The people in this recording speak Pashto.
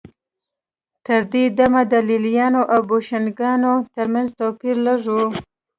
تر دې دمه د لېلیانو او بوشنګانو ترمنځ توپیر لږ و